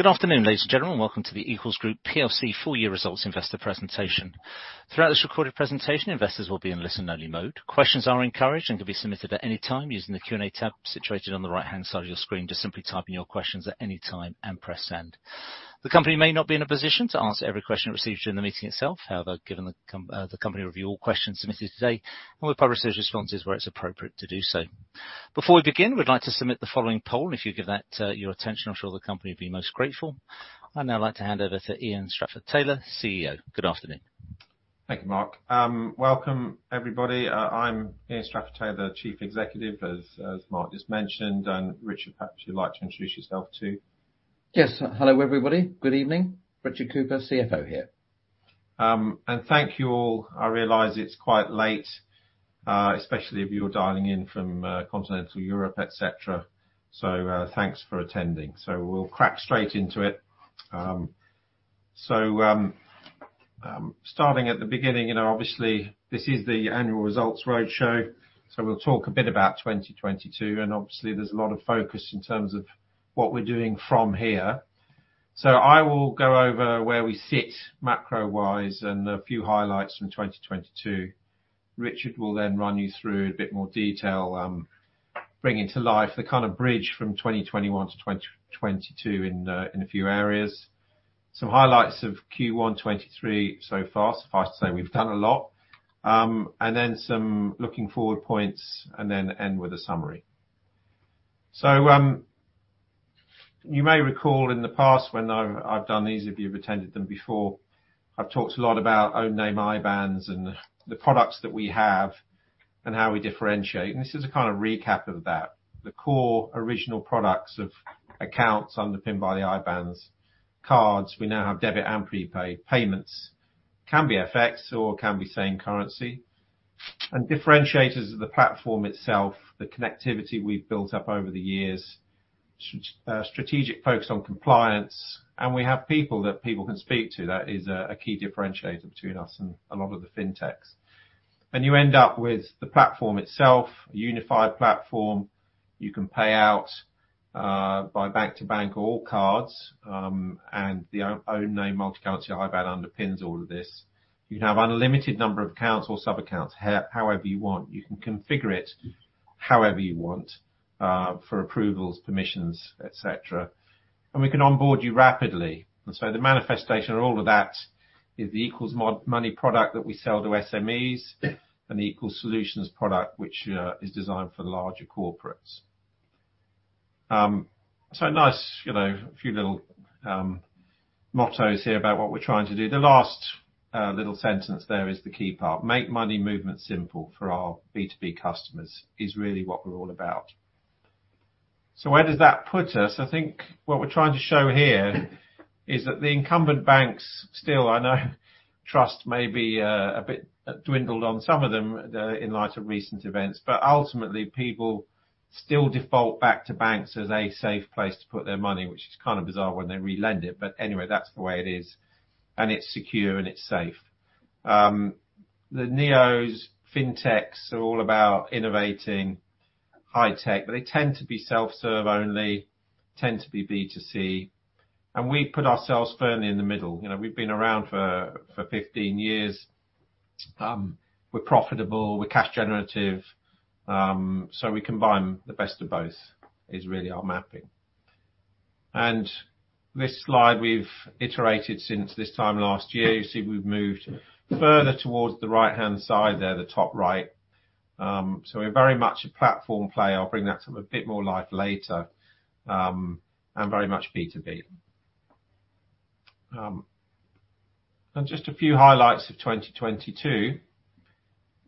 Good afternoon, ladies and gentlemen. Welcome to the Equals Group PLC full year results investor presentation. Throughout this recorded presentation, investors will be in listen-only mode. Questions are encouraged and can be submitted at any time using the Q&A tab situated on the right-hand side of your screen. Just simply type in your questions at any time and press send. The company may not be in a position to answer every question received during the meeting itself. Given the company review all questions submitted today, and we'll publish those responses where it's appropriate to do so. Before we begin, we'd like to submit the following poll, and if you give that your attention, I'm sure the company will be most grateful. I'd now like to hand over to Ian Strafford-Taylor, CEO. Good afternoon. Thank you, Mark. Welcome, everybody. I'm Ian Strafford-Taylor, Chief Executive, as Mark just mentioned, and Richard, perhaps you'd like to introduce yourself too. Yes. Hello, everybody. Good evening. Richard Cooper, CFO here. Thank you all. I realize it's quite late, especially if you're dialing in from continental Europe, et cetera, thanks for attending. We'll crack straight into it. Starting at the beginning, you know, obviously this is the annual results roadshow. We'll talk a bit about 2022, and obviously there's a lot of focus in terms of what we're doing from here. I will go over where we sit macro-wise and a few highlights from 2022. Richard will then run you through a bit more detail, bringing to life the kind of bridge from 2021 to 2022 in a few areas. Some highlights of Q1 2023 so far. Suffice to say we've done a lot. Then some looking forward points, and then end with a summary. You may recall in the past when I've done these, if you've attended them before, I've talked a lot about own name IBANs and the products that we have and how we differentiate, and this is a kind of recap of that. The core original products of accounts underpinned by the IBANs, cards, we now have debit and prepaid, payments can be FX or can be same currency. Differentiators of the platform itself, the connectivity we've built up over the years, strategic focus on compliance, and we have people that people can speak to. That is a key differentiator between us and a lot of the fintechs. You end up with the platform itself, a unified platform. You can pay out by bank to bank or cards, and the own name multi-currency IBAN underpins all of this. You can have unlimited number of accounts or sub-accounts, however you want. You can configure it however you want for approvals, permissions, et cetera. We can onboard you rapidly. The manifestation of all of that is the Equals Money product that we sell to SMEs and the Equals Solutions product, which is designed for larger corporates. nice, you know, few little mottos here about what we're trying to do. The last little sentence there is the key part. Make money movement simple for our B2B customers is really what we're all about. Where does that put us? I think what we're trying to show here is that the incumbent banks still, I know trust may be a bit dwindled on some of them in light of recent events. Ultimately, people still default back to banks as a safe place to put their money, which is kind of bizarre when they re-lend it. Anyway, that's the way it is, and it's secure and it's safe. The neos, fintechs are all about innovating high tech. They tend to be self-serve only, tend to be B2C. We put ourselves firmly in the middle. You know, we've been around for 15 years. We're profitable, we're cash generative. We combine the best of both is really our mapping. This slide we've iterated since this time last year. You see, we've moved further towards the right-hand side there, the top right. We're very much a platform player. I'll bring that to a bit more life later. Very much B2B. Just a few highlights of 2022.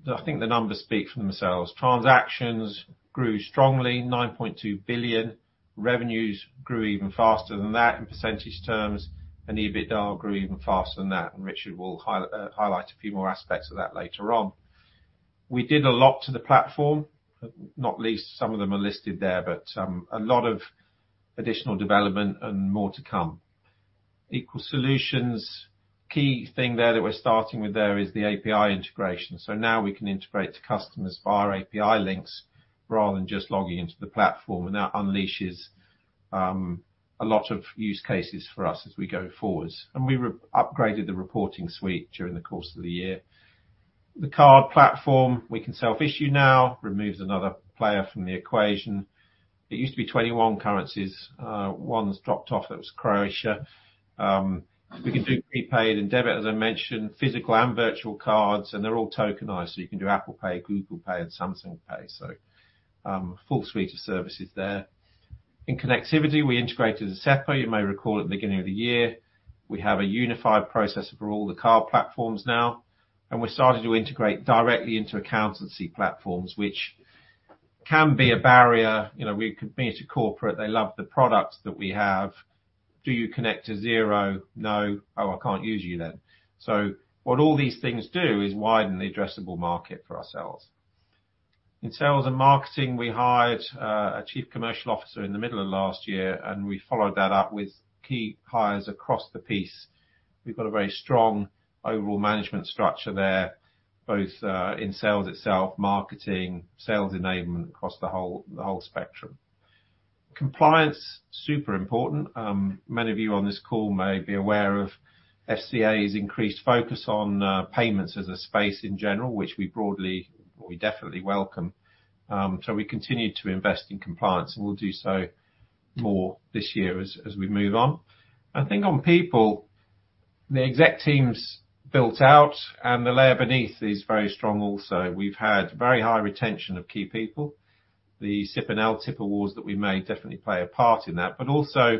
I think the numbers speak for themselves. Transactions grew strongly, 9.2 billion. Revenues grew even faster than that in percentage terms, and EBITDA grew even faster than that. Richard will highlight a few more aspects of that later on. We did a lot to the platform, not least, some of them are listed there, but a lot of additional development and more to come. Equals Solutions, key thing there that we're starting with there is the API integration. Now we can integrate to customers via API links rather than just logging into the platform, and that unleashes a lot of use cases for us as we go forwards. We re-upgraded the reporting suite during the course of the year. The card platform, we can self-issue now, removes another player from the equation. It used to be 21 currencies. One's dropped off, that was Croatia. We can do prepaid and debit, as I mentioned, physical and virtual cards, and they're all tokenized, so you can do Apple Pay, Google Pay, and Samsung Pay. Full suite of services there. In connectivity, we integrated SEPA, you may recall at the beginning of the year. We have a unified processor for all the card platforms now. We started to integrate directly into accountancy platforms, which can be a barrier. You know, we compete at corporate. They love the products that we have. "Do you connect to Xero? No. Oh, I can't use you then." What all these things do is widen the addressable market for ourselves. In sales and marketing, we hired a Chief Commercial Officer in the middle of last year, and we followed that up with key hires across the piece. We've got a very strong overall management structure there, both in sales itself, marketing, sales enablement across the whole, the whole spectrum. Compliance, super important. Many of you on this call may be aware of FCA's increased focus on payments as a space in general, which we definitely welcome. We continue to invest in compliance, and we'll do so more this year as we move on. I think on people, the exec team's built out and the layer beneath is very strong also. We've had very high retention of key people. The SIP and LTIP awards that we made definitely play a part in that. Also,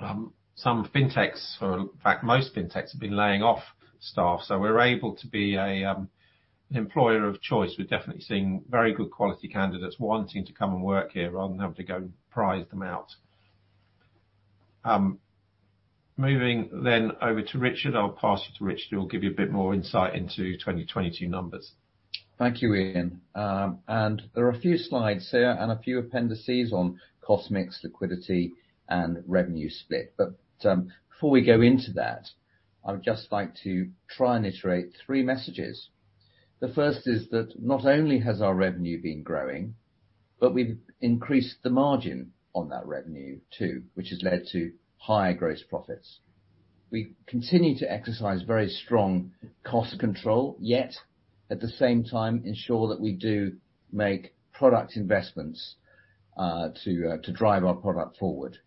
some fintechs, or in fact most fintechs, have been laying off staff, so we're able to be a, an employer of choice. We're definitely seeing very good quality candidates wanting to come and work here rather than having to go and prize them out. Moving then over to Richard. I'll pass you to Richard, who'll give you a bit more insight into 2022 numbers. Thank you, Ian. There are a few slides here and a few appendices on cost mix, liquidity, and revenue split. Before we go into that, I would just like to try and iterate three messages. The first is that not only has our revenue been growing, but we've increased the margin on that revenue too, which has led to higher gross profits. We continue to exercise very strong cost control, yet at the same time ensure that we do make product investments, to drive our product forward.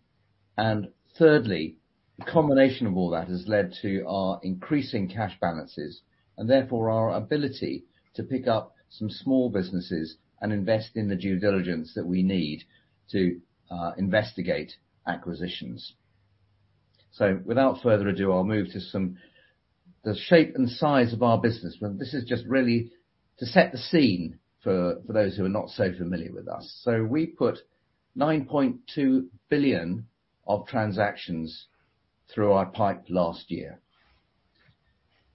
Thirdly, the combination of all that has led to our increasing cash balances, and therefore our ability to pick up some small businesses and invest in the due diligence that we need to investigate acquisitions. Without further ado, I'll move to The shape and size of our business. This is just really to set the scene for those who are not so familiar with us. We put 9.2 billion of transactions through our pipe last year.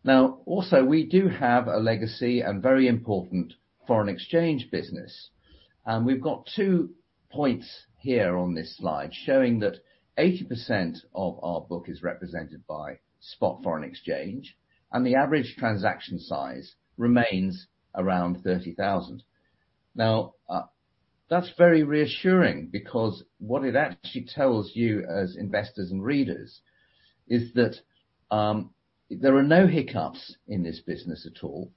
Also, we do have a legacy and very important foreign exchange business. We've got two points here on this slide showing that 80% of our book is represented by spot foreign exchange, and the average transaction size remains around 30,000. That's very reassuring because what it actually tells you as investors and readers is that there are no hiccups in this business at all.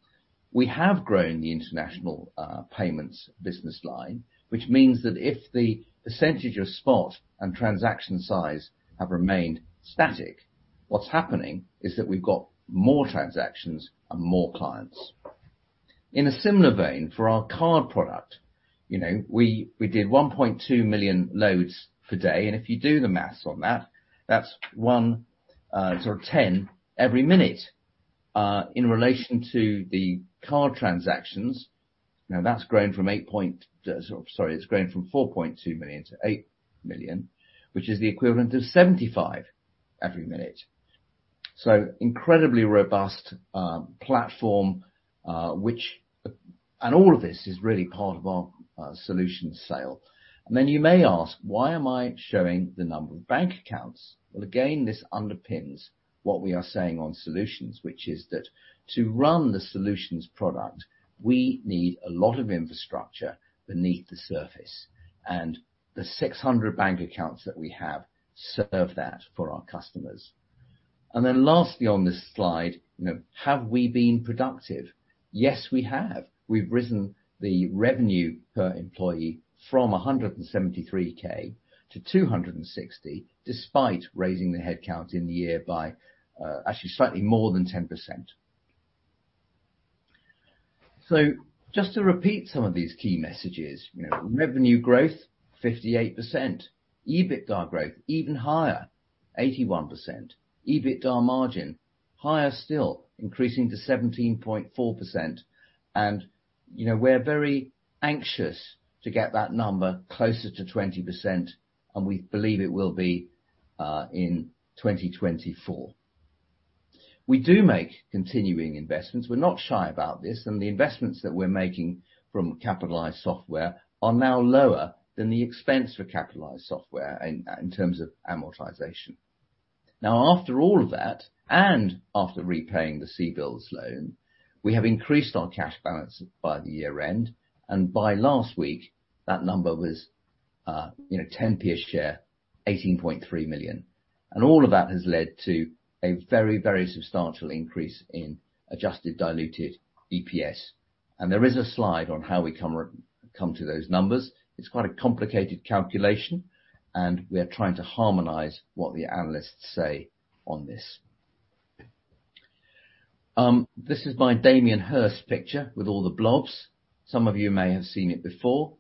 We have grown the international payments business line, which means that if the percentage of spot and transaction size have remained static, what's happening is that we've got more transactions and more clients. In a similar vein, for our card product, we did 1.2 million loads per day. If you do the math on that's one sort of 10 every minute in relation to the card transactions. That's grown from 4.2 million to 8 million, which is the equivalent of 75 every minute. Incredibly robust platform. All of this is really part of our solutions sale. You may ask, why am I showing the number of bank accounts? Well, again, this underpins what we are saying on solutions, which is that to run the solutions product, we need a lot of infrastructure beneath the surface. The 600 bank accounts that we have serve that for our customers. Lastly, on this slide, you know, have we been productive? Yes, we have. We've risen the revenue per employee from 173, 000 to 260, 000, despite raising the headcount in the year by actually slightly more than 10%. Just to repeat some of these key messages. You know, revenue growth, 58%. EBITDA growth, even higher, 81%. EBITDA margin, higher still, increasing to 17.4%. And you know, we're very anxious to get that number closer to 20%, and we believe it will be in 2024. We do make continuing investments. We're not shy about this. The investments that we're making from capitalized software are now lower than the expense for capitalized software in terms of amortization. After all of that, and after repaying the CBILS loan, we have increased our cash balance by the year-end. By last week, that number was, you know, 0.10 per share, 18.3 million. All of that has led to a very, very substantial increase in adjusted diluted EPS. There is a slide on how we come to those numbers. It's quite a complicated calculation, and we're trying to harmonize what the analysts say on this. This is my Damien Hirst picture with all the blobs. Some of you may have seen it before.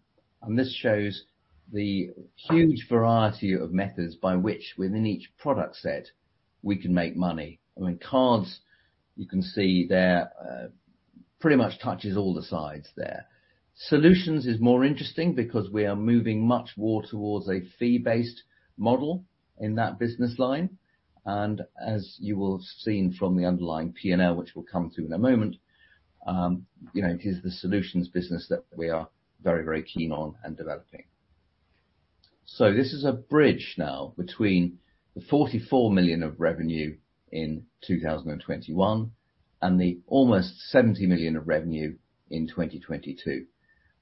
This shows the huge variety of methods by which within each product set we can make money. I mean, cards, you can see there, pretty much touches all the sides there. Solutions is more interesting because we are moving much more towards a fee-based model in that business line. As you will have seen from the underlying P&L, which we'll come to in a moment, you know, it is the Solutions business that we are very, very keen on and developing. This is a bridge now between the 44 million of revenue in 2021, and the almost 70 million of revenue in 2022.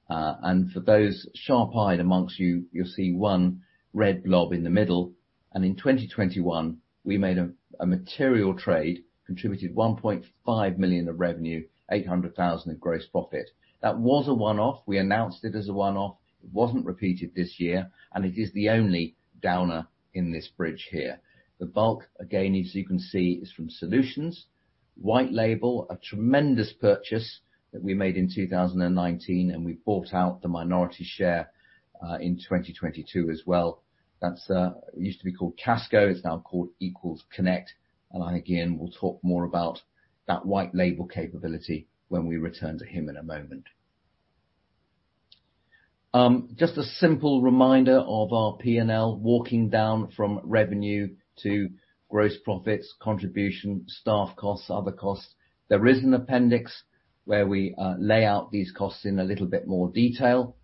For those sharp-eyed amongst you'll see one red blob in the middle, and in 2021 we made a material trade, contributed 1.5 million of revenue, 800,000 in gross profit. That was a one-off. We announced it as a one-off. It wasn't repeated this year, and it is the only downer in this bridge here. The bulk, again, as you can see, is from Equals Solutions. White Label, a tremendous purchase that we made in 2019, and we bought out the minority share in 2022 as well. That's, it used to be called Casco, it's now called Equals Connect, and I again will talk more about that White Label capability when we return to him in a moment. Just a simple reminder of our P&L, walking down from revenue to gross profits, contribution, staff costs, other costs. There is an appendix where we lay out these costs in a little bit more detail,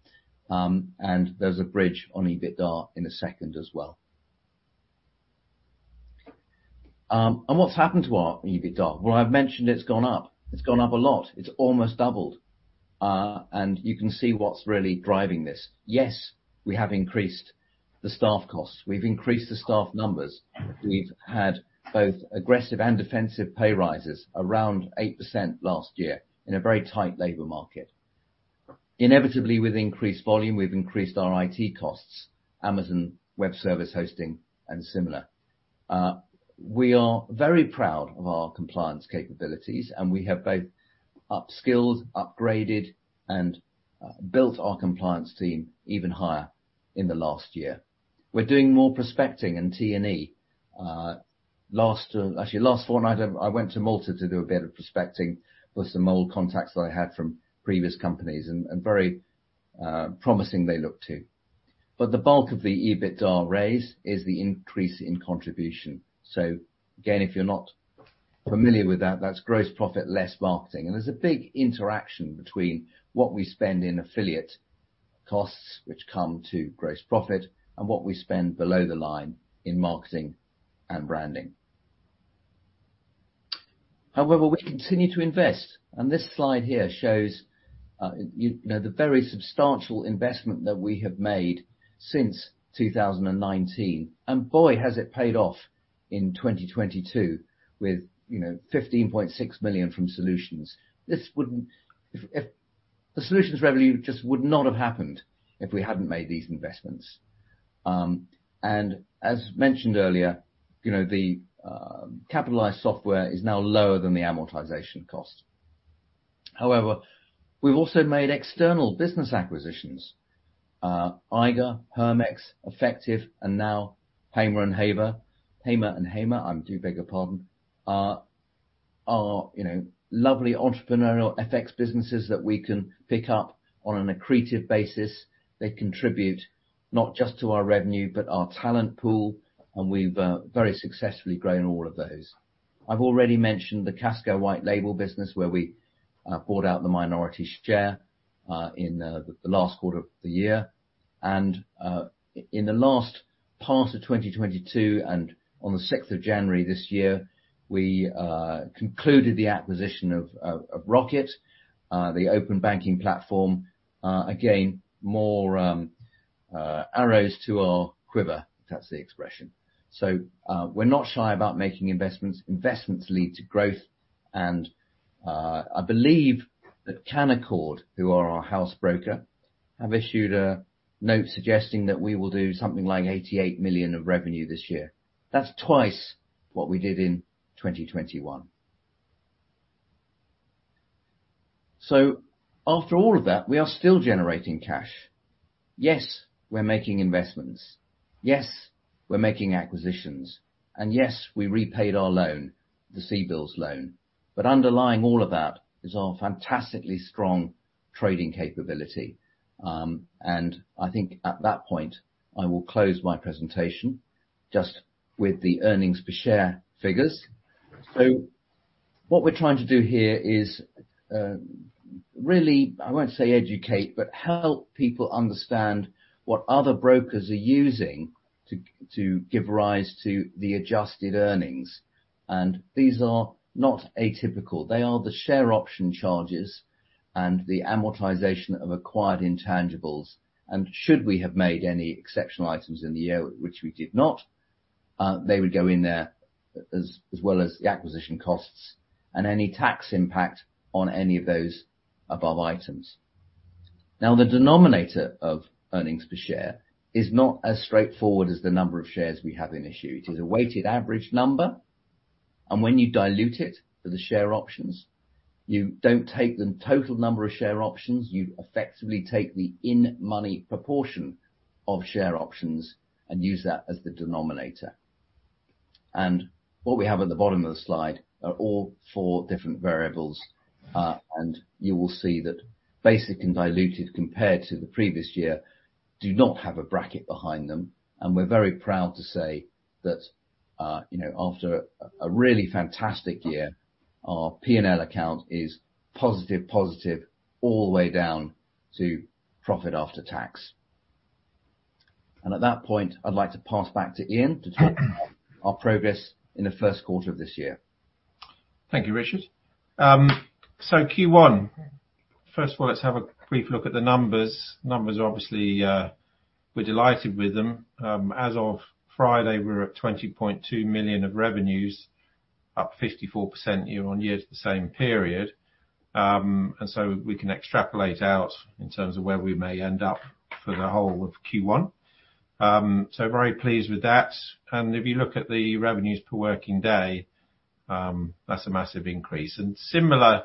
and there's a bridge on EBITDA in a second as well. What's happened to our EBITDA? Well, I've mentioned it's gone up. It's gone up a lot. It's almost doubled, you can see what's really driving this. Yes, we have increased the staff costs. We've increased the staff numbers. We've had both aggressive and defensive pay rises, around 8% last year in a very tight labor market. Inevitably, with increased volume, we've increased our IT costs, Amazon Web Services hosting and similar. We are very proud of our compliance capabilities, and we have both upskilled, upgraded, and built our compliance team even higher in the last year. We're doing more prospecting and T&E. Last, actually last foreign item, I went to Malta to do a bit of prospecting with some old contacts that I had from previous companies and very promising they look too. The bulk of the EBITDA raise is the increase in contribution. Again, if you're not familiar with that's gross profit less marketing. There's a big interaction between what we spend in affiliate costs, which come to gross profit, and what we spend below the line in marketing and branding. However, we continue to invest, and this slide here shows, you know, the very substantial investment that we have made since 2019. Boy, has it paid off in 2022 with, you know, 15.6 million from Solutions. The Solutions revenue just would not have happened if we hadn't made these investments. As mentioned earlier, you know, the capitalized software is now lower than the amortization cost. However, we've also made external business acquisitions. IGA, Hermex, Effective, and now Hamer and Hamer, I do beg your pardon, are, you know, lovely entrepreneurial FX businesses that we can pick up on an accretive basis. They contribute not just to our revenue, but our talent pool, and we've very successfully grown all of those. I've already mentioned the Casco White Label business where we bought out the minority share in the last quarter of the year. In the last part of 2022 and on the 6th of January this year, we concluded the acquisition of Roqqett, the open banking platform. Again, more arrows to our quiver, if that's the expression. We're not shy about making investments. Investments lead to growth and I believe that Canaccord, who are our house broker, have issued a note suggesting that we will do something like 88 million of revenue this year. That's twice what we did in 2021. After all of that, we are still generating cash. Yes, we're making investments. Yes, we're making acquisitions. Yes, we repaid our loan, the CBILS loan. Underlying all of that is our fantastically strong trading capability. And I think at that point I will close my presentation just with the earnings per share figures. What we're trying to do here is really, I won't say educate, but help people understand what other brokers are using to give rise to the adjusted earnings. These are not atypical. They are the share option charges and the amortization of acquired intangibles. Should we have made any exceptional items in the year, which we did not, they would go in there as well as the acquisition costs and any tax impact on any of those above items. The denominator of earnings per share is not as straightforward as the number of shares we have in issue. It is a weighted average number, and when you dilute it for the share options, you don't take the total number of share options. You effectively take the in-money proportion of share options and use that as the denominator. What we have at the bottom of the slide are all four different variables, and you will see that basic and diluted compared to the previous year do not have a bracket behind them. We're very proud to say that, you know, after a really fantastic year. Our P&L account is positive all the way down to profit after tax. At that point, I'd like to pass back to Ian to talk about our progress in the Q1 of this year. Thank you, Richard. Q1. First of all, let's have a brief look at the numbers. Numbers are obviously, we're delighted with them. As of Friday, we were at 20.2 million of revenues, up 54% year-on-year to the same period. We can extrapolate out in terms of where we may end up for the whole of Q1. Very pleased with that. If you look at the revenues per working day, that's a massive increase. Similar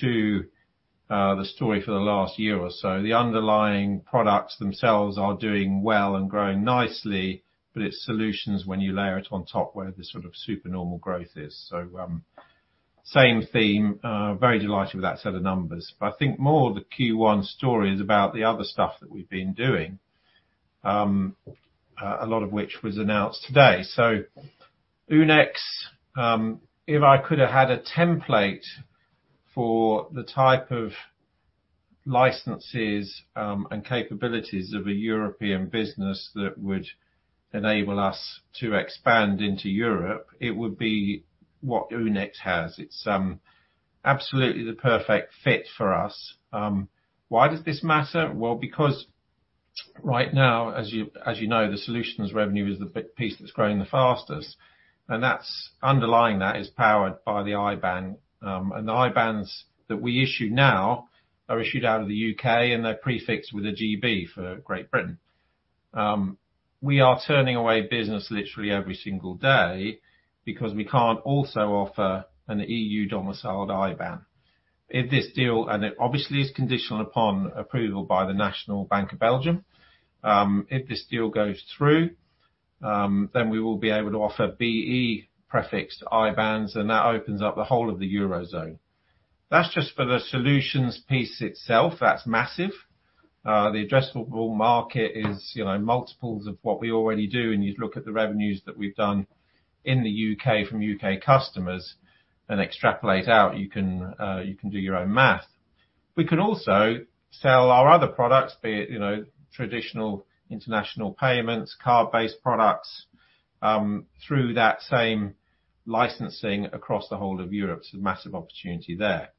to the story for the last year or so, the underlying products themselves are doing well and growing nicely, but it's solutions when you layer it on top where the sort of super normal growth is. Same theme, very delighted with that set of numbers. I think more of the Q1 story is about the other stuff that we've been doing, a lot of which was announced today. Oonex, if I could have had a template for the type of licenses and capabilities of a European business that would enable us to expand into Europe, it would be what Oonex has. It's absolutely the perfect fit for us. Why does this matter? Because right now, as you know, the solutions revenue is the big piece that's growing the fastest. Underlying that is powered by the IBAN. The IBANs that we issue now are issued out of the U.K., and they're prefixed with a GB for Great Britain. We are turning away business literally every single day because we can't also offer an EU-domiciled IBAN. If this deal, and it obviously is conditional upon approval by the National Bank of Belgium, if this deal goes through, then we will be able to offer BE-prefixed IBANs, and that opens up the whole of the Eurozone. That's just for the solutions piece itself. That's massive. The addressable market is, you know, multiples of what we already do, and you look at the revenues that we've done in the U.K. from U.K. customers and extrapolate out. You can, you can do your own math. We can also sell our other products, be it, you know, traditional international payments, card-based products, through that same licensing across the whole of Europe. Massive opportunity there.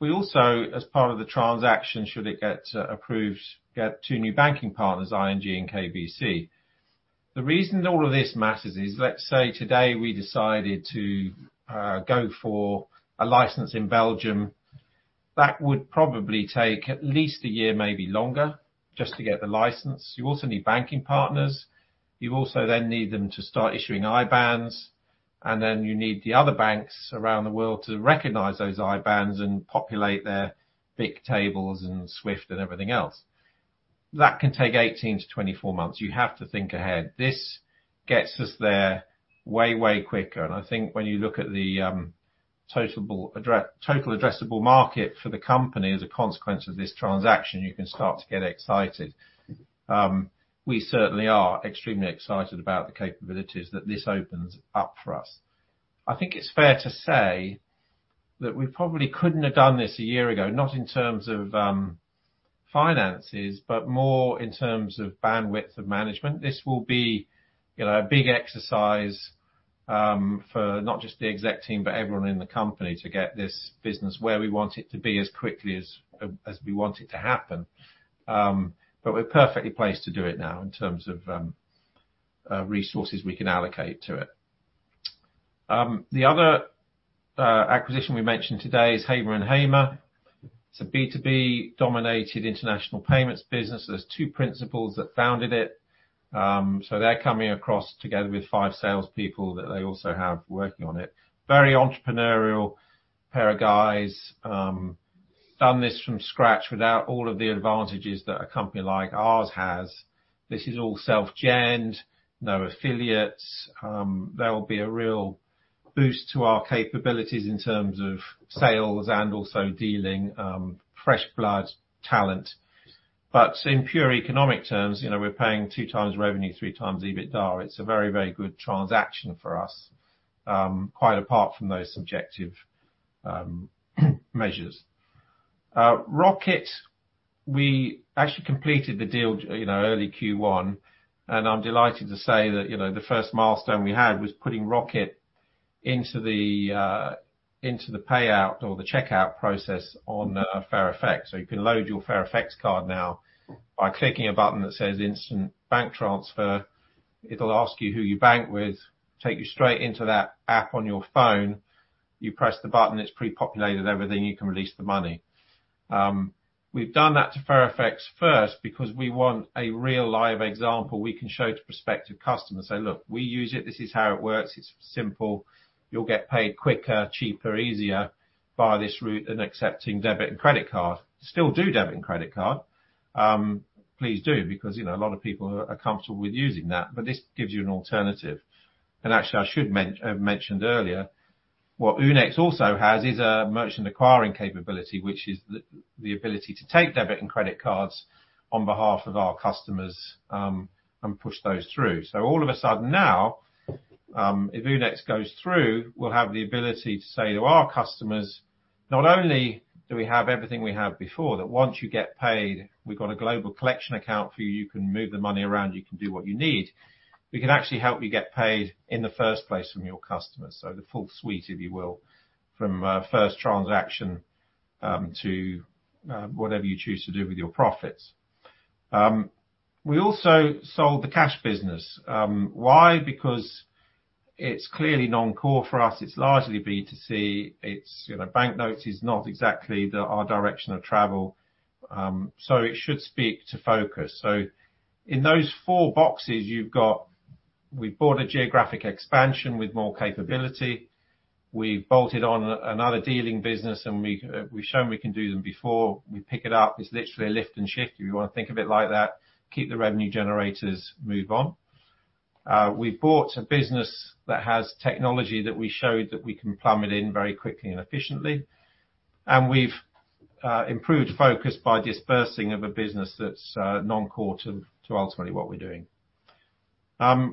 We also, as part of the transaction, should it get approved, get two new banking partners, ING and KBC. The reason all of this matters is, let's say today we decided to go for a license in Belgium. That would probably take at least a year, maybe longer, just to get the license. You also need banking partners. You also then need them to start issuing IBANs, and then you need the other banks around the world to recognize those IBANs and populate their BIC tables and SWIFT and everything else. That can take 18-24 months. You have to think ahead. This gets us there way quicker. I think when you look at the total addressable market for the company as a consequence of this transaction, you can start to get excited. We certainly are extremely excited about the capabilities that this opens up for us. I think it's fair to say that we probably couldn't have done this a year ago, not in terms of finances, but more in terms of bandwidth of management. This will be, you know, a big exercise for not just the exec team, but everyone in the company to get this business where we want it to be as quickly as we want it to happen. We're perfectly placed to do it now in terms of resources we can allocate to it. The other acquisition we mentioned today is Hamer and Hamer. It's a B2B-dominated international payments business. There's two principals that founded it. They're coming across together with five sales people that they also have working on it. Very entrepreneurial pair of guys. Done this from scratch without all of the advantages that a company like ours has. This is all self-genned, no affiliates. They'll be a real boost to our capabilities in terms of sales and also dealing, fresh blood talent. In pure economic terms, you know, we're paying 2x revenue, 3x EBITDA. It's a very, very good transaction for us, quite apart from those subjective, measures. Roqqett, we actually completed the deal, you know, early Q1, and I'm delighted to say that, you know, the first milestone we had was putting Roqqett into the, into the payout or the checkout process on, FairFX. You can load your FairFX card now by clicking a button that says Instant Bank Transfer. It'll ask you who you bank with, take you straight into that app on your phone. You press the button, it's prepopulated everything, you can release the money. We've done that to FairFX first because we want a real live example we can show to prospective customers. Say, "Look, we use it. This is how it works. It's simple. You'll get paid quicker, cheaper, easier via this route than accepting debit and credit card." Still do debit and credit card. Please do, because you know, a lot of people are comfortable with using that, but this gives you an alternative. Actually, I should have mentioned earlier, what OONEX also has is a merchant acquiring capability, which is the ability to take debit and credit cards on behalf of our customers and push those through. All of a sudden now, if Oonex goes through, we'll have the ability to say to our customers. Not only do we have everything we had before, that once you get paid, we've got a global collection account for you. You can move the money around, you can do what you need. We can actually help you get paid in the first place from your customers. The full suite, if you will, from first transaction, to whatever you choose to do with your profits. We also sold the cash business. Why? Because it's clearly non-core for us, it's largely B2C, it's, you know, banknotes is not exactly the, our direction of travel, so it should speak to focus. In those four boxes you've got. We've bought a geographic expansion with more capability. We've bolted on another dealing business. We've shown we can do them before. We pick it up. It's literally a lift and shift, if you wanna think of it like that. Keep the revenue generators, move on. We've bought a business that has technology that we showed that we can plumb it in very quickly and efficiently. We've improved focus by dispersing of a business that's non-core to ultimately what we're doing.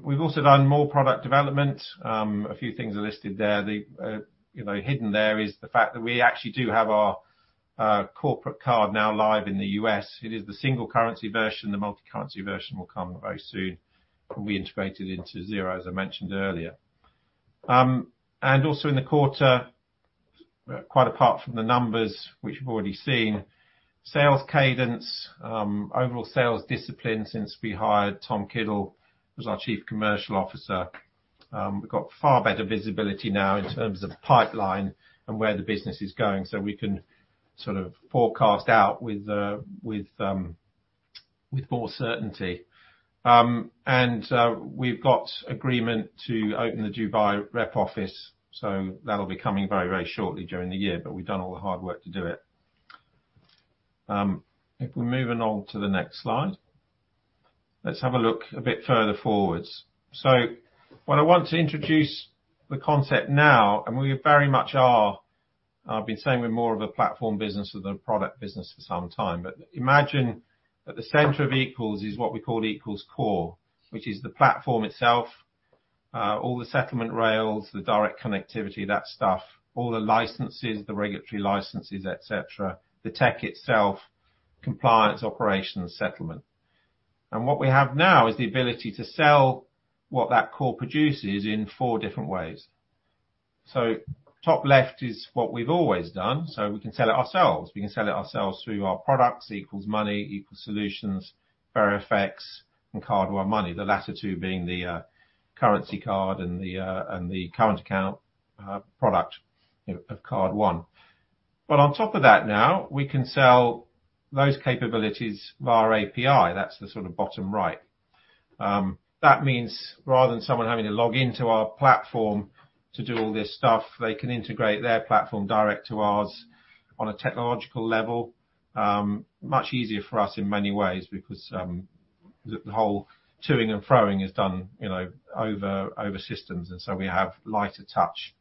We've also done more product development. A few things are listed there. The, you know, hidden there is the fact that we actually do have our corporate card now live in the U.S. It is the single currency version. The multicurrency version will come very soon, will be integrated into Xero, as I mentioned earlier. Also in the quarter, quite apart from the numbers which we've already seen, sales cadence, overall sales discipline since we hired Tom Kiddle as our Chief Commercial Officer, we've got far better visibility now in terms of pipeline and where the business is going, so we can sort of forecast out with more certainty. We've got agreement to open the Dubai rep office, so that'll be coming very, very shortly during the year, but we've done all the hard work to do it. If we're moving on to the next slide, let's have a look a bit further forwards. What I want to introduce the concept now, and we very much are, I've been saying we're more of a platform business than a product business for some time. Imagine at the center of Equals is what we call Equals Core, which is the platform itself, all the settlement rails, the direct connectivity, that stuff, all the licenses, the regulatory licenses, et cetera, the tech itself, compliance, operations, settlement. What we have now is the ability to sell what that core produces in four different ways. Top left is what we've always done, we can sell it ourselves. We can sell it ourselves through our products, Equals Money, Equals Solutions, FairFX, and CardOneMoney, the latter two being the currency card and the current account product of Card One. On top of that now, we can sell those capabilities via API. That's the sort of bottom right. That means rather than someone having to log into our platform to do all this stuff, they can integrate their platform direct to ours on a technological level. Much easier for us in many ways because the whole chewing and throwing is done, you know, over systems, and so we have lighter touch.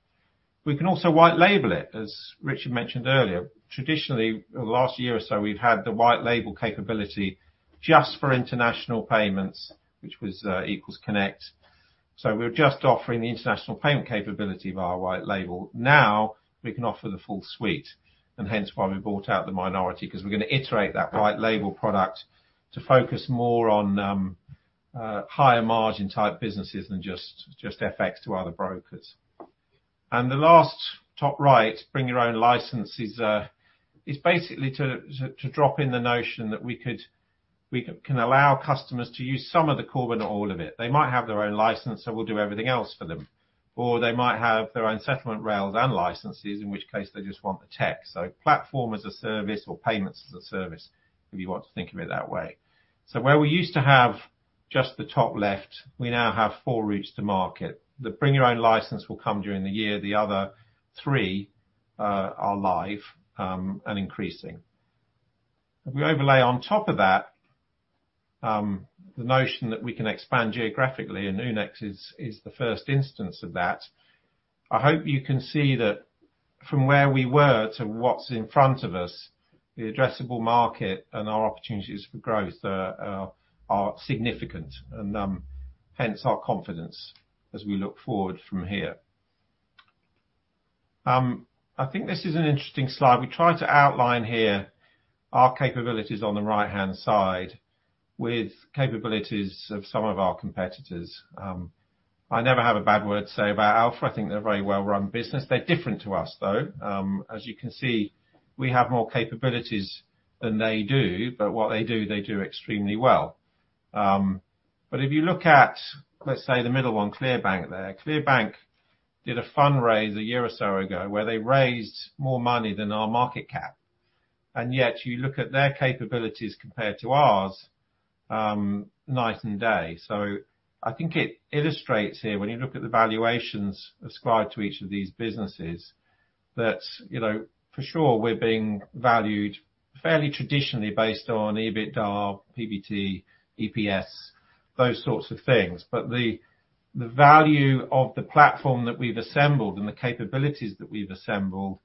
We can also White Label it, as Richard mentioned earlier. Traditionally, over the last year or so, we've had the White Label capability just for international payments, which was Equals Connect. We're just offering the international payment capability via our White Label. We can offer the full suite, and hence why we bought out the minority, 'cause we're gonna iterate that White Label product to focus more on higher margin type businesses than just FX to other brokers. The last top right, bring your own license, is basically to drop in the notion that we can allow customers to use some of the Core but not all of it. They might have their own license, so we'll do everything else for them. They might have their own settlement rails and licenses, in which case they just want the tech. Platform as a service or payments as a service, if you want to think of it that way. Where we used to have just the top left, we now have four routes to market. The bring your own license will come during the year. The other three are live and increasing. If we overlay on top of that, the notion that we can expand geographically, and Oonex is the first instance of that, I hope you can see that from where we were to what's in front of us, the addressable market and our opportunities for growth are significant and hence our confidence as we look forward from here. I think this is an interesting slide. We tried to outline here our capabilities on the right-hand side with capabilities of some of our competitors. I never have a bad word to say about Alpha. I think they're a very well-run business. They're different to us, though. As you can see, we have more capabilities than they do. What they do, they do extremely well. If you look at, let's say the middle one, ClearBank there. ClearBank did a fundraise a year or so ago where they raised more money than our market cap, yet you look at their capabilities compared to ours, night and day. I think it illustrates here when you look at the valuations ascribed to each of these businesses that, you know, for sure we're being valued fairly traditionally based on EBITDA, PBT, EPS, those sorts of things. The, the value of the platform that we've assembled and the capabilities that we've assembled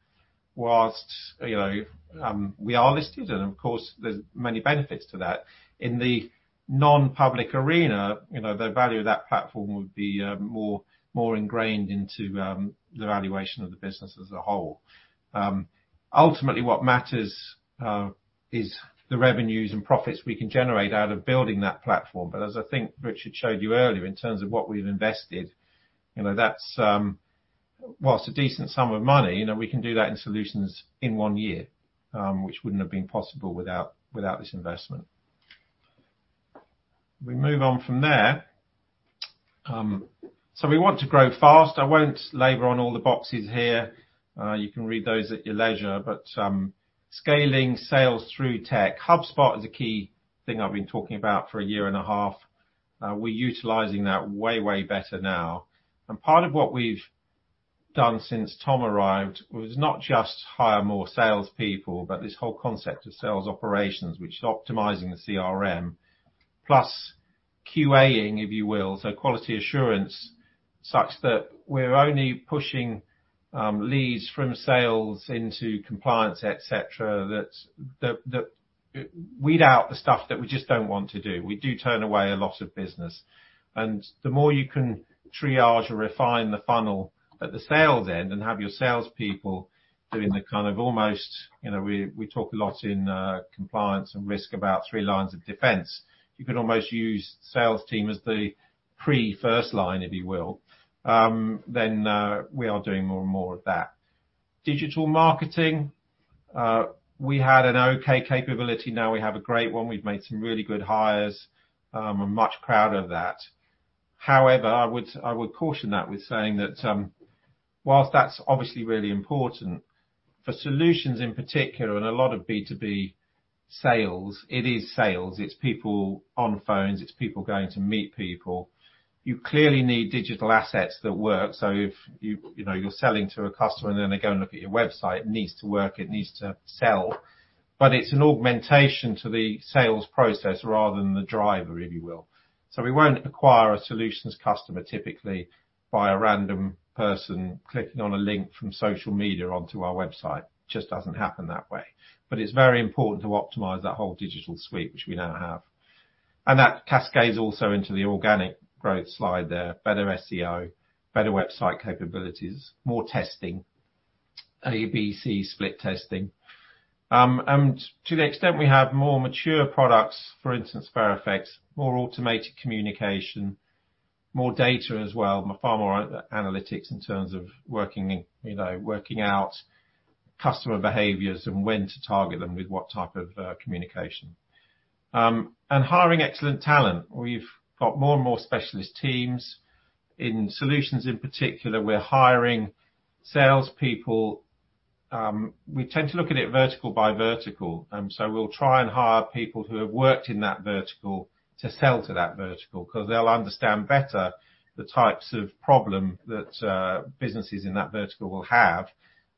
whilst, you know, we are listed and of course there's many benefits to that. In the non-public arena, you know, the value of that platform would be more ingrained into the valuation of the business as a whole. Ultimately, what matters is the revenues and profits we can generate out of building that platform. As I think Richard showed you earlier, in terms of what we've invested, you know, that's, whilst a decent sum of money, you know, we can do that in solutions in one year, which wouldn't have been possible without this investment. We move on from there. We want to grow fast. I won't labor on all the boxes here, you can read those at your leisure. Scaling sales through tech, HubSpot is a key thing I've been talking about for a year and a half. We're utilizing that way better now. Part of what we've done since Tom arrived was not just hire more salespeople, but this whole concept of sales operations, which is optimizing the CRM plus QA-ing, if you will, so quality assurance, such that we're only pushing leads from sales into compliance, et cetera, that weed out the stuff that we just don't want to do. We do turn away a lot of business. The more you can triage or refine the funnel at the sales end and have your salespeople doing the kind of almost, you know, we talk a lot in compliance and risk about three lines of defense. You can almost use sales team as the pre first line, if you will. We are doing more and more of that. Digital marketing, we had an okay capability, now we have a great one. We've made some really good hires, I'm much proud of that. However, I would caution that with saying that, whilst that's obviously really important, for Solutions in particular and a lot of B2B sales, it is sales, it's people on phones, it's people going to meet people. You clearly need digital assets that work, so if you know, you're selling to a customer and then they go and look at your website, it needs to work, it needs to sell, but it's an augmentation to the sales process rather than the driver, if you will. We won't acquire a Solutions customer typically by a random person clicking on a link from social media onto our website. Just doesn't happen that way. It's very important to optimize that whole digital suite, which we now have. That cascades also into the organic growth slide there, better SEO, better website capabilities, more testing, ABC split testing. To the extent we have more mature products, for instance, FairFX, more automated communication, more data as well, far more analytics in terms of working, you know, working out customer behaviors and when to target them with what type of communication. Hiring excellent talent. We've got more and more specialist teams. In solutions in particular, we're hiring salespeople. We tend to look at it vertical by vertical. We'll try and hire people who have worked in that vertical to sell to that vertical 'cause they'll understand better the types of problem that businesses in that vertical will have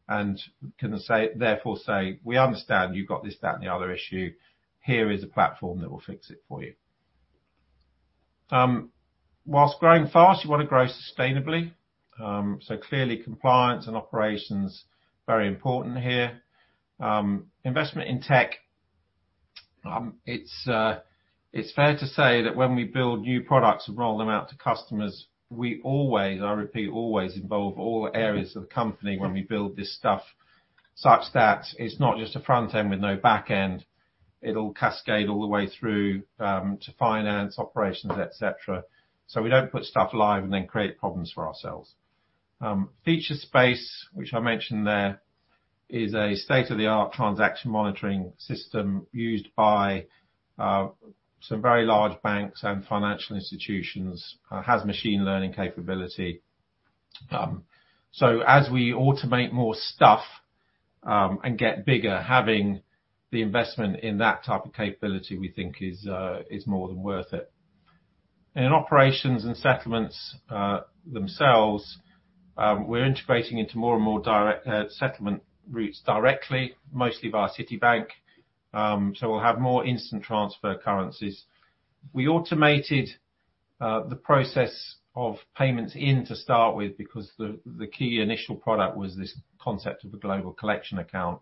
and can therefore say, "We understand you've got this, that, and the other issue. Here is a platform that will fix it for you." Whilst growing fast, you wanna grow sustainably. Clearly compliance and operations, very important here. Investment in tech, it's fair to say that when we build new products and roll them out to customers, we always, I repeat, always involve all areas of the company when we build this stuff, such that it's not just a front end with no back end. It'll cascade all the way through to finance, operations, et cetera. We don't put stuff live and then create problems for ourselves. Featurespace, which I mentioned there, is a state-of-the-art transaction monitoring system used by some very large banks and financial institutions, has machine learning capability. As we automate more stuff and get bigger, having the investment in that type of capability, we think is more than worth it. In operations and settlements themselves, we're integrating into more and more direct settlement routes directly, mostly via Citibank. We'll have more instant transfer currencies. We automated the process of payments in to start with because the key initial product was this concept of a global collection account.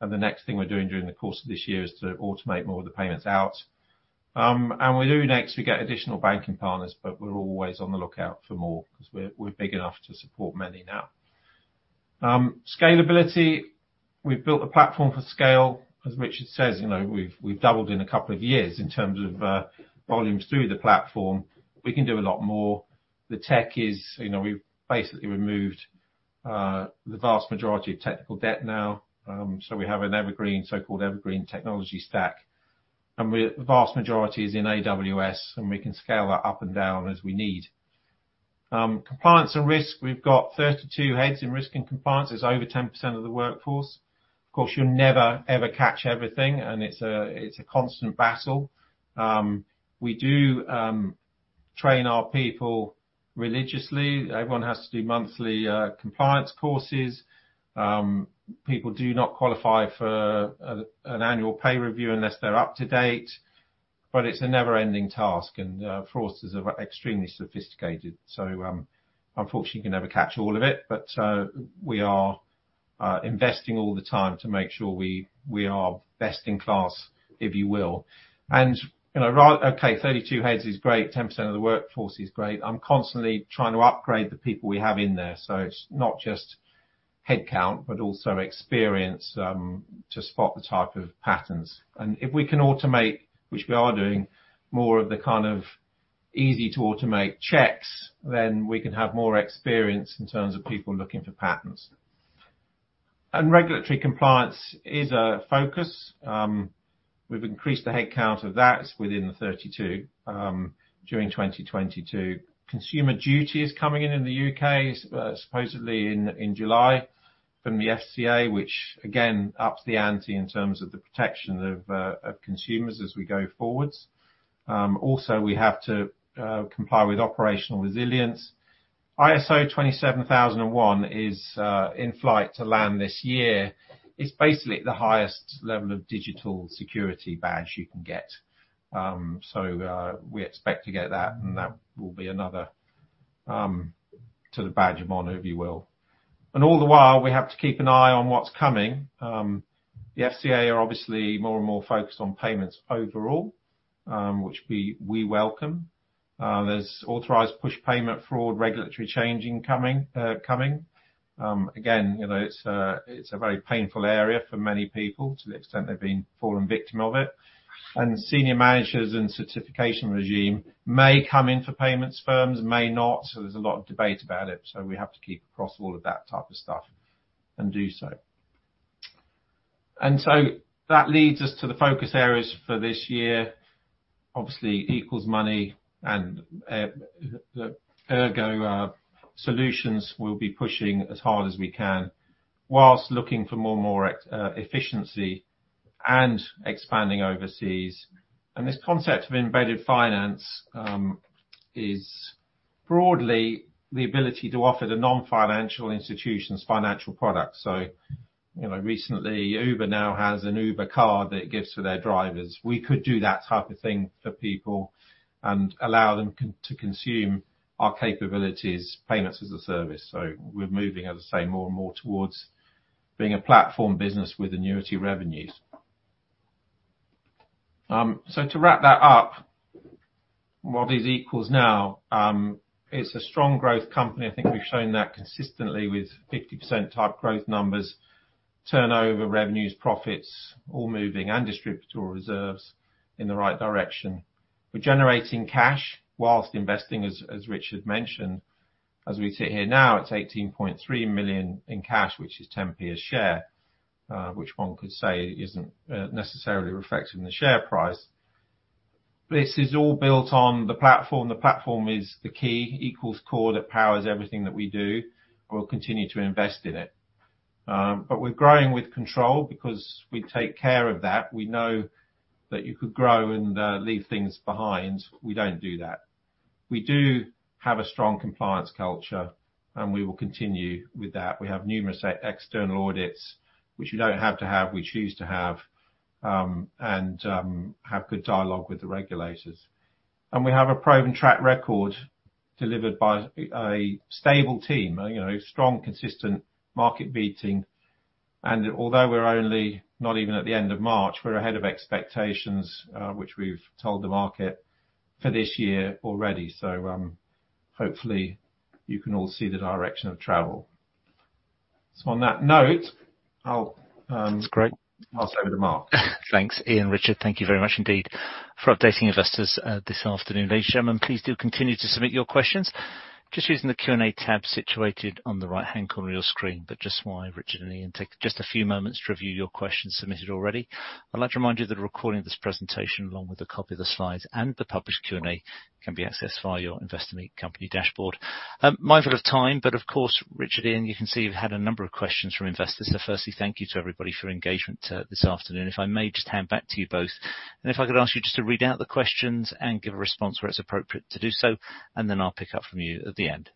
The next thing we're doing during the course of this year is to automate more of the payments out. We do next, we get additional banking partners, but we're always on the lookout for more 'cause we're big enough to support many now. Scalability. We've built a platform for scale. As Richard says, you know, we've doubled in a couple of years in terms of volumes through the platform. We can do a lot more. The tech is, you know, we've basically removed the vast majority of technical debt now. We have an evergreen, so-called evergreen technology stack, and the vast majority is in AWS, and we can scale that up and down as we need. Compliance and risk. We've got 32 heads in risk and compliance. It's over 10% of the workforce. Of course, you'll never, ever catch everything, and it's a constant battle. We do train our people religiously. Everyone has to do monthly compliance courses. People do not qualify for an annual pay review unless they're up to date. It's a never-ending task, and fraudsters are extremely sophisticated, so unfortunately can never catch all of it. We are investing all the time to make sure we are best in class, if you will. You know, okay, 32 heads is great, 10% of the workforce is great. I'm constantly trying to upgrade the people we have in there, so it's not just head count, but also experience to spot the type of patterns. If we can automate, which we are doing, more of the kind of easy to automate checks, then we can have more experience in terms of people looking for patterns. Regulatory compliance is a focus. We've increased the head count of that within the 32 during 2022. Consumer Duty is coming in in the U.K., supposedly in July from the FCA, which again ups the ante in terms of the protection of consumers as we go forwards. Also we have to comply with operational resilience. ISO 27,001 is in flight to land this year. It's basically the highest level of digital security badge you can get. So we expect to get that, and that will be another to the badge of honor, if you will. All the while, we have to keep an eye on what's coming. The FCA are obviously more and more focused on payments overall, which we welcome. There's Authorized Push Payment fraud, regulatory changing coming. Again, you know, it's a very painful area for many people to the extent they've been fallen victim of it. Senior Managers and Certification Regime may come in for payments firms, may not, so there's a lot of debate about it. We have to keep across all of that type of stuff and do so. That leads us to the focus areas for this year. Obviously, Equals Money and Equals Solutions will be pushing as hard as we can while looking for more and more efficiency and expanding overseas. This concept of embedded finance is broadly the ability to offer the non-financial institutions financial products. You know, recently, Uber now has an Uber card that it gives to their drivers. We could do that type of thing for people and allow them to consume our capabilities, payments as a service. We're moving, as I say, more and more towards being a platform business with annuity revenues. To wrap that up, what is Equals now? It's a strong growth company. I think we've shown that consistently with 50% type growth numbers, turnover, revenues, profits, all moving, and distributor reserves in the right direction. We're generating cash whilst investing, as Richard mentioned. As we sit here now, it's 18.3 million in cash, which is 0.10 per share, which one could say isn't necessarily reflected in the share price. This is all built on the platform. The platform is the key. Equals Core that powers everything that we do. We'll continue to invest in it. We're growing with control because we take care of that. We know that you could grow and leave things behind. We don't do that. We do have a strong compliance culture, and we will continue with that. We have numerous e-external audits, which we don't have to have. We choose to have and have good dialogue with the regulators. We have a proven track record delivered by a stable team, you know, strong, consistent market beating. Although we're only not even at the end of March, we're ahead of expectations, which we've told the market for this year already. Hopefully, you can all see the direction of travel. On that note, I'll. That's great. I'll hand over to Mark. Thanks, Ian, Richard. Thank you very much indeed for updating investors, this afternoon. Ladies, gentlemen, please do continue to submit your questions. Just using the Q&A tab situated on the right-hand corner of your screen. Just while Richard and Ian take just a few moments to review your questions submitted already, I'd like to remind you that a recording of this presentation, along with a copy of the slides and the published Q&A, can be accessed via your Investor Meet Company dashboard. Mindful of time, but of course, Richard, Ian, you can see we've had a number of questions from investors. Firstly, thank you to everybody for engagement, this afternoon. If I may, just hand back to you both. If I could ask you just to read out the questions and give a response where it's appropriate to do so, and then I'll pick up from you at the end.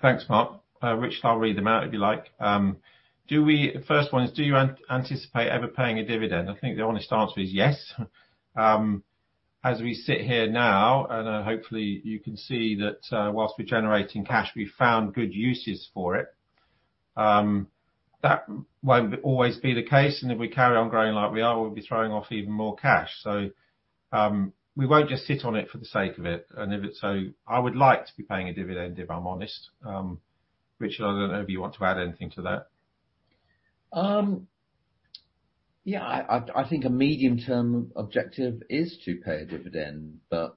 Thanks, Mark. Richard, I'll read them out if you like. The first one is: Do you anticipate ever paying a dividend? I think the honest answer is yes. As we sit here now, hopefully you can see that, whilst we're generating cash, we've found good uses for it. That won't always be the case, if we carry on growing like we are, we'll be throwing off even more cash. We won't just sit on it for the sake of it. If it's so, I would like to be paying a dividend, if I'm honest. Richard, I don't know if you want to add anything to that. Yeah, I think a medium-term objective is to pay a dividend, but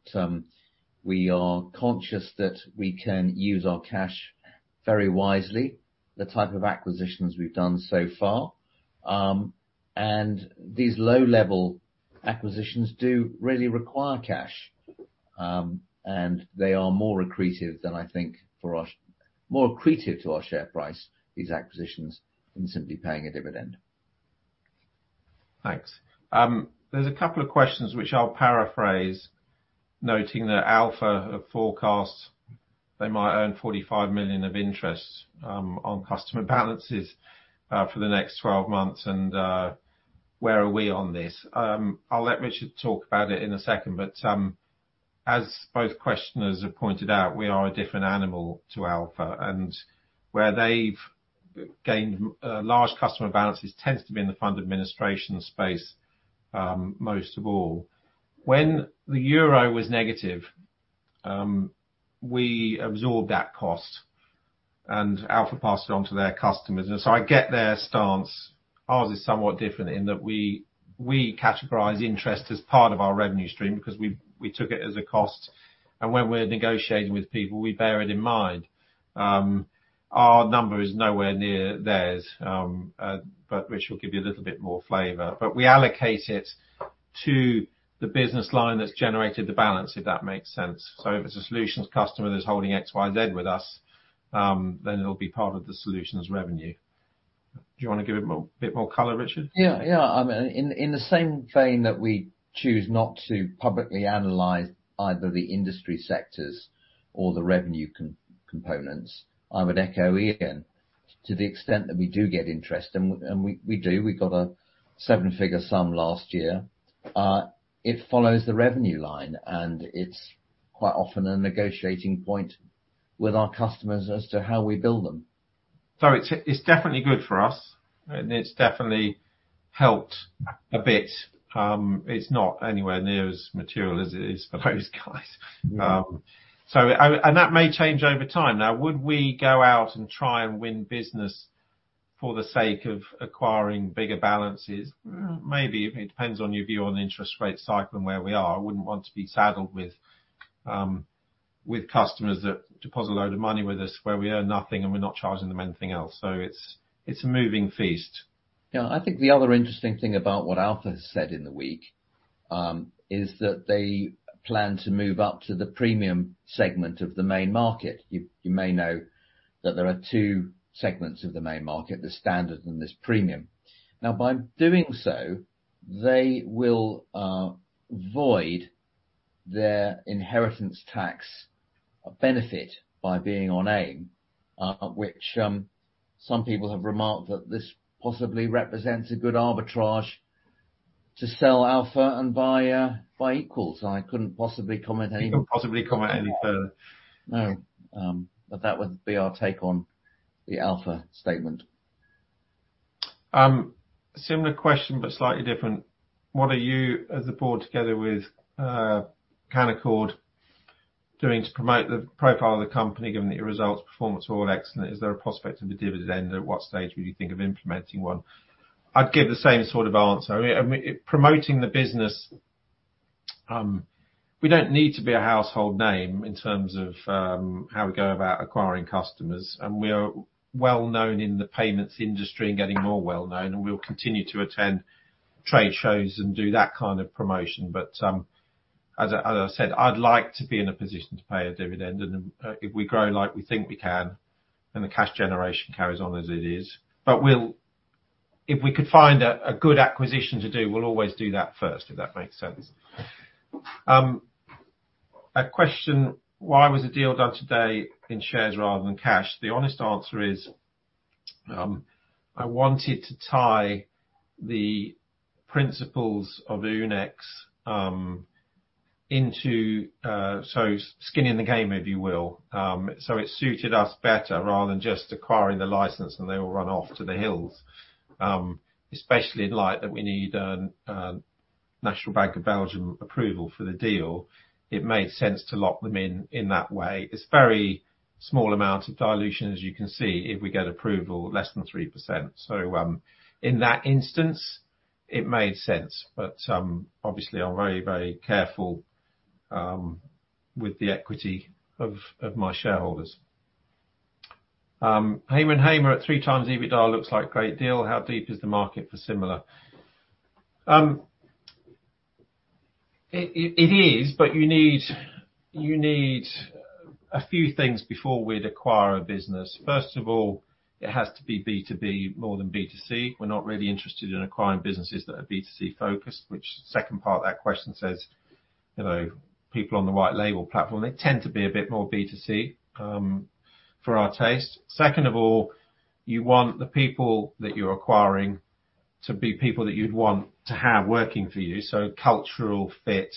we are conscious that we can use our cash very wisely, the type of acquisitions we've done so far. These low-level acquisitions do really require cash. They are more accretive than I think for us, more accretive to our share price, these acquisitions, than simply paying a dividend. Thanks. There's a couple of questions which I'll paraphrase, noting that Alpha forecasts they might earn 45 million of interest on customer balances for the next 12 months. Where are we on this? I'll let Richard talk about it in a second, as both questioners have pointed out, we are a different animal to Alpha. Where they've gained large customer balances tends to be in the fund administration space, most of all. When the euro was negative, we absorbed that cost, and Alpha passed it on to their customers, and so I get their stance. Ours is somewhat different in that we categorize interest as part of our revenue stream because we took it as a cost. When we're negotiating with people, we bear it in mind. Our number is nowhere near theirs. Richard will give you a little bit more flavor. We allocate it to the business line that's generated the balance, if that makes sense. If it's a Solutions customer that's holding XYZ with us, then it'll be part of the Solutions revenue. Do you wanna give it more, a bit more color, Richard? Yeah. Yeah. I mean, in the same vein that we choose not to publicly analyze either the industry sectors or the revenue components, I would echo Ian. To the extent that we do get interest, and we do. We got a seven-figure sum last year. It follows the revenue line, and it's quite often a negotiating point with our customers as to how we bill them. It's, it's definitely good for us, and it's definitely helped a bit. It's not anywhere near as material as it is for those guys. That may change over time. Would we go out and try and win business for the sake of acquiring bigger balances? Maybe. It depends on your view on the interest rate cycle and where we are. I wouldn't want to be saddled with customers that deposit a load of money with us where we earn nothing, and we're not charging them anything else. It's, it's a moving feast. I think the other interesting thing about what Alpha has said in the week, is that they plan to move up to the premium segment of the main market. You may know that there are two segments of the main market, the standard and this premium. By doing so, they will void their inheritance tax benefit by being on AIM, which, some people have remarked that this possibly represents a good arbitrage to sell Alpha and buy Equals. I couldn't possibly comment. You couldn't possibly comment any further. No. That would be our take on the Alpha statement. Similar question, slightly different. What are you as a board together with Canaccord doing to promote the profile of the company, given that your results, performance are all excellent. Is there a prospect of a dividend? At what stage would you think of implementing one? I'd give the same sort of answer. I mean, promoting the business, we don't need to be a household name in terms of how we go about acquiring customers, we are well-known in the payments industry and getting more well-known, we'll continue to attend trade shows and do that kind of promotion. As I said, I'd like to be in a position to pay a dividend if we grow like we think we can, the cash generation carries on as it is. If we could find a good acquisition to do, we'll always do that first, if that makes sense. A question, why was the deal done today in shares rather than cash? The honest answer is, I wanted to tie the principles of Oonex into, so skin in the game, if you will. It suited us better, rather than just acquiring the license and they all run off to the hills. Especially in light that we need National Bank of Belgium approval for the deal, it made sense to lock them in in that way. It's very small amount of dilution, as you can see, if we get approval, less than 3%. In that instance, it made sense. Obviously, I'm very, very careful with the equity of my shareholders. Hamer and Hamer at 3x EBITDA looks like great deal. How deep is the market for similar? It is, but you need a few things before we'd acquire a business. First of all, it has to be B2B more than B2C. We're not really interested in acquiring businesses that are B2C-focused, which second part of that question says, you know, people on the White Label platform, they tend to be a bit more B2C for our taste. Second of all, you want the people that you're acquiring to be people that you'd want to have working for you. Cultural fit,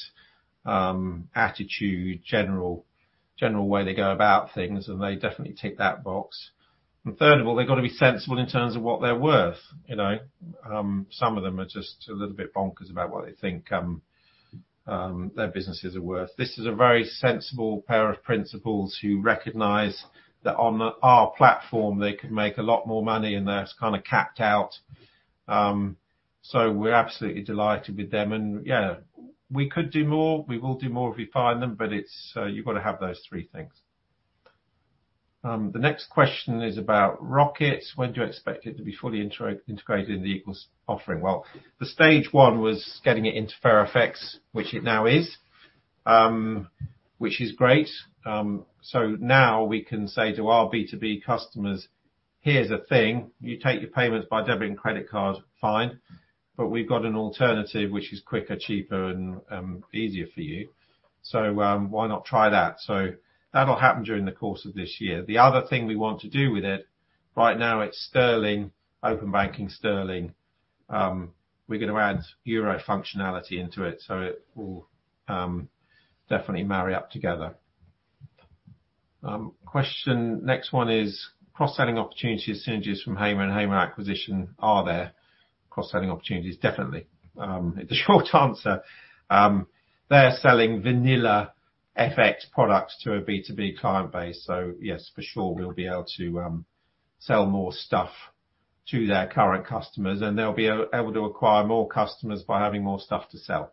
attitude, general way they go about things, and they definitely tick that box. Third of all, they've gotta be sensible in terms of what they're worth. You know, some of them are just a little bit bonkers about what they think their businesses are worth. This is a very sensible pair of principals who recognize that on our platform, they could make a lot more money, and theirs kinda capped out. We're absolutely delighted with them and, yeah, we could do more. We will do more if we find them, but it's, you've gotta have those three things. The next question is about Roqqett. When do you expect it to be fully integrated in the Equals offering? Well, the stage one was getting it into FairFX, which it now is, which is great. Now we can say to our B2B customers. Here's the thing, you take your payments by debit and credit cards, fine, but we've got an alternative which is quicker, cheaper, and easier for you. Why not try that? That'll happen during the course of this year. The other thing we want to do with it, right now it's sterling, open banking sterling. We're gonna add euro functionality into it, so it will definitely marry up together. Question, next one is cross-selling opportunities synergies from Hamer and Hamer acquisition, are there cross-selling opportunities? Definitely. The short answer, they're selling vanilla FX products to a B2B client base. Yes, for sure we'll be able to sell more stuff to their current customers, and they'll be able to acquire more customers by having more stuff to sell.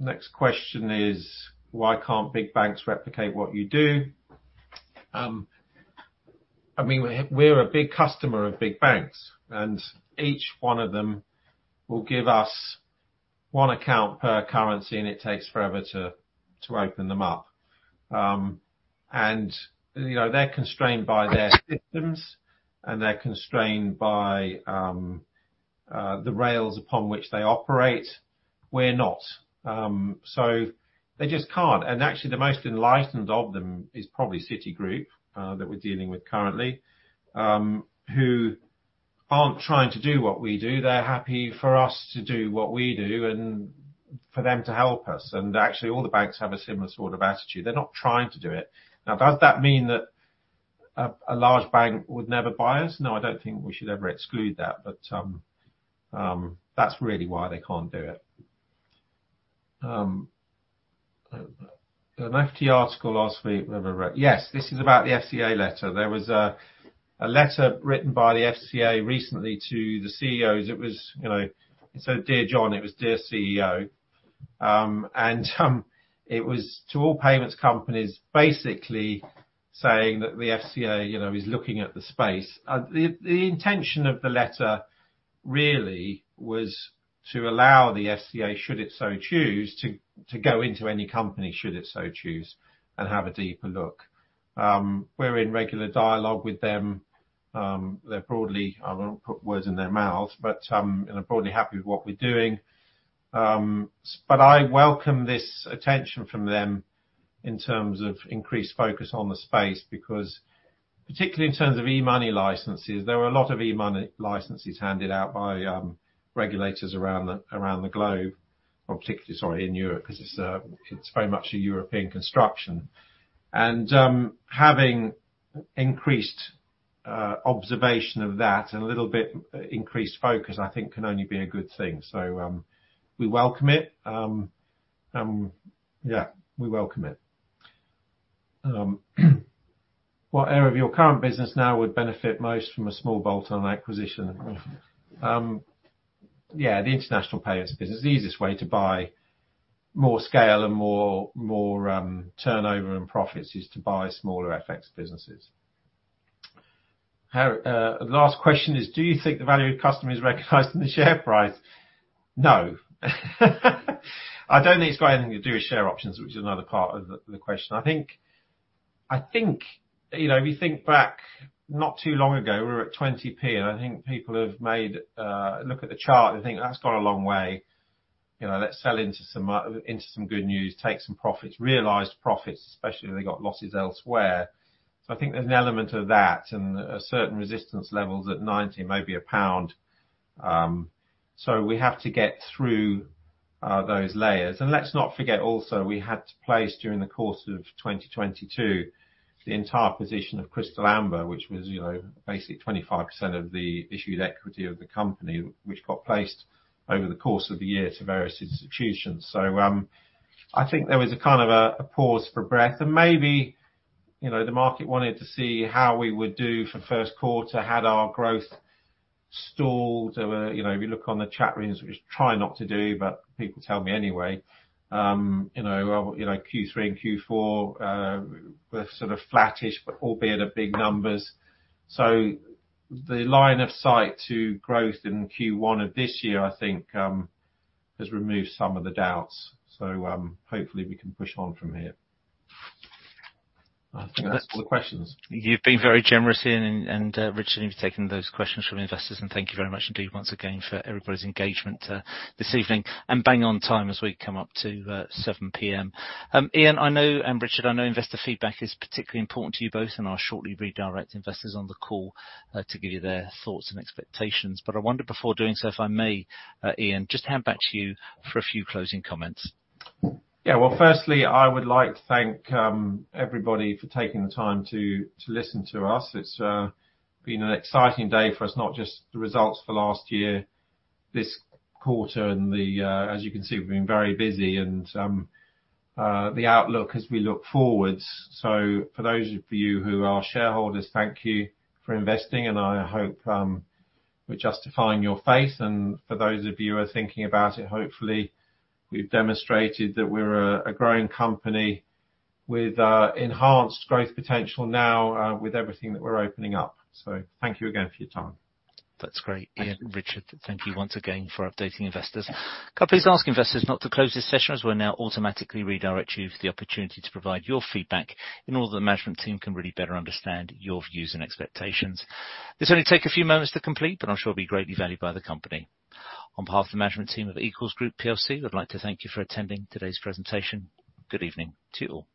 Next question is why can't big banks replicate what you do? I mean, we're a big customer of big banks, and each one of them will give us one account per currency, and it takes forever to open them up. You know, they're constrained by their systems, and they're constrained by the rails upon which they operate. We're not. They just can't. Actually, the most enlightened of them is probably Citigroup that we're dealing with currently, who aren't trying to do what we do. They're happy for us to do what we do and for them to help us. Actually, all the banks have a similar sort of attitude. They're not trying to do it. Does that mean that a large bank would never buy us? No, I don't think we should ever exclude that, but that's really why they can't do it. An FT article last week. Yes, this is about the FCA letter. There was a letter written by the FCA recently to the CEOs. It was, you know, instead of Dear John, it was Dear CEO. It was to all payments companies basically saying that the FCA, you know, is looking at the space. The intention of the letter really was to allow the FCA, should it so choose, to go into any company, should it so choose, and have a deeper look. We're in regular dialogue with them. They're broadly, I won't put words in their mouth, but, you know, broadly happy with what we're doing. I welcome this attention from them in terms of increased focus on the space because particularly in terms of e-money licenses, there are a lot of e-money licenses handed out by regulators around the globe or particularly, sorry, in Europe because it's very much a European construction. Having increased observation of that and a little bit increased focus, I think can only be a good thing. We welcome it. Yeah, we welcome it. What area of your current business now would benefit most from a small bolt-on acquisition? Yeah, the international payments business. The easiest way to buy more scale and more turnover and profits is to buy smaller FX businesses. Last question is, do you think the value of customer is recognized in the share price? No. I don't think it's got anything to do with share options, which is another part of the question. I think, you know, if you think back not too long ago, we were at 0.20. I think people have made look at the chart and think that's gone a long way. You know, let's sell into some into some good news, take some profits, realized profits, especially if they got losses elsewhere. I think there's an element of that and a certain resistance levels at 0.90, maybe GBP 1.00. We have to get through those layers. Let's not forget also, we had to place during the course of 2022, the entire position of Crystal Amber, which was, you know, basically 25% of the issued equity of the company, which got placed over the course of the year to various institutions. I think there was a kind of a pause for breath and maybe, you know, the market wanted to see how we would do for Q1, had our growth stalled. You know, if you look on the chat rooms, we try not to do, but people tell me anyway, you know, Q3 and Q4 were sort of flattish but albeit at big numbers. The line of sight to growth in Q1 of this year, I think, has removed some of the doubts. Hopefully we can push on from here. I think that's all the questions. You've been very generous, Ian and Richard, in taking those questions from investors and thank you very much indeed once again for everybody's engagement this evening and bang on time as we come up to 7:00 P.M. Ian, I know, and Richard, I know investor feedback is particularly important to you both, and I'll shortly redirect investors on the call to give you their thoughts and expectations. I wonder, before doing so, if I may, Ian, just hand back to you for a few closing comments. Yeah. Well, firstly, I would like to thank everybody for taking the time to listen to us. It's been an exciting day for us, not just the results for last year, this quarter and the, as you can see, we've been very busy and the outlook as we look forwards. For those of you who are shareholders, thank you for investing, and I hope we're justifying your faith. For those of you who are thinking about it, hopefully, we've demonstrated that we're a growing company with enhanced growth potential now, with everything that we're opening up. Thank you again for your time. That's great. Ian and Richard, thank you once again for updating investors. Could I please ask investors not to close this session as we'll now automatically redirect you for the opportunity to provide your feedback in order that the management team can really better understand your views and expectations. This will only take a few moments to complete, but I'm sure it'll be greatly valued by the company. On behalf of the management team of Equals Group PLC, we'd like to thank you for attending today's presentation. Good evening to you all.